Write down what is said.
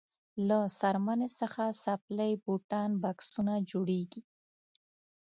له څرمنې څخه څپلۍ بوټان بکسونه جوړیږي.